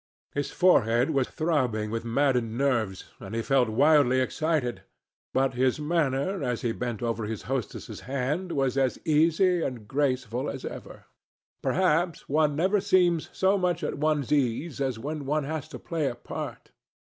His forehead was throbbing with maddened nerves, and he felt wildly excited, but his manner as he bent over his hostess's hand was as easy and graceful as ever. Perhaps one never seems so much at one's ease as when one has to play a part.